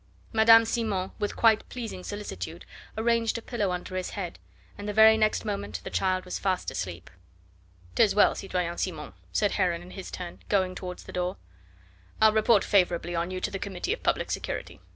Madame Simon, with quite pleasing solicitude, arranged a pillow under his head, and the very next moment the child was fast asleep. "'Tis well, citoyen Simon," said Heron in his turn, going towards the door. "I'll report favourably on you to the Committee of Public Security.